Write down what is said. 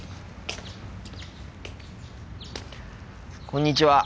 こんにちは。